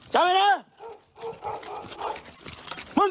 เจ้าแม่น้ำเจ้าแม่น้ำ